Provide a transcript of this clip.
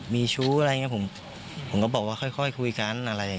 มีชู้อะไรอย่างนี้ผมก็บอกว่าค่อยคุยกันอะไรอย่างนี้